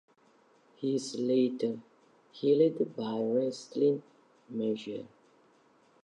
He is later healed by Raistlin Majere.